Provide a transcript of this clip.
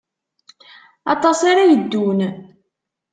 Aṭas ara yeddun.